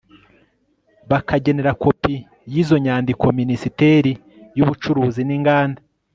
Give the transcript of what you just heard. bakagenera kopi y izo nyandiko minisiteri y ubucuruzi n inganda